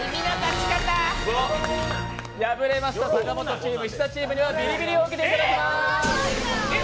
敗れました阪本チーム・石田チームにはビリビリを受けていただきます。